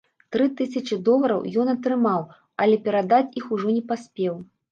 Тры тысячы долараў ён атрымаў, але перадаць іх ужо не паспеў.